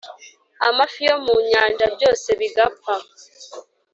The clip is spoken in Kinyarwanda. amafi yo mu nyanja, byose bigapfa.